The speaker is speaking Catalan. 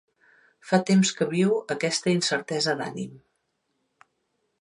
Fa temps que viu aquesta incertesa d'ànim.